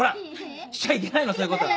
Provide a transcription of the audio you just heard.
しちゃいけないのそういうことは。